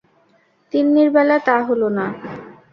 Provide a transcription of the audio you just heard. তিন্নির বেলা তা হল না।